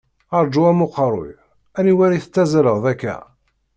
Rǧu am uqerruy, aniwer i tettazzaleḍ akka?